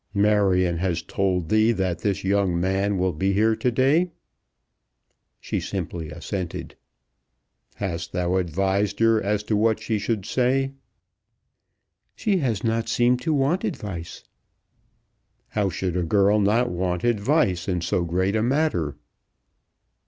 "Marion has told thee that this young man will be here to day?" She simply assented. "Hast thou advised her as to what she should say?" "She has not seemed to want advice." "How should a girl not want advice in so great a matter?"